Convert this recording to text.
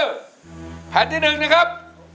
ก็คือแผ่นที่๑นะครับ